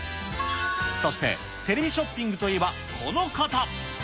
そしてテレビショッピングといえばこの方。